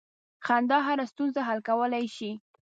• خندا هره ستونزه حل کولی شي.